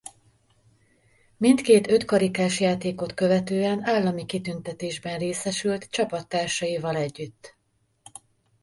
Mindkét ötkarikás játékot követően állami kitüntetésben részesült csapattársaival együtt.